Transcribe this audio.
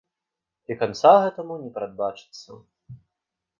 І канца гэтаму не прадбачыцца.